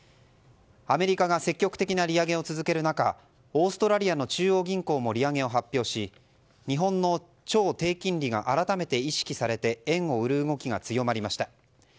アメリカが積極的な利上げを続ける中オーストラリアの中央銀行も利上げを発表し日本の超低金利が改めて意識されて円を売る動きが強まりました。